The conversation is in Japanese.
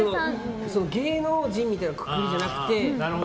芸能人みたいなくくりじゃなくて。